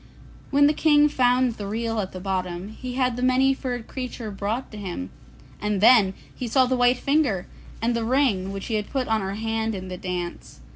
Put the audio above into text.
When the King found the reel at the bottom, he had the Many furred Creature brought to him, and then he saw the white finger, and the ring which he had put on her hand in the dance.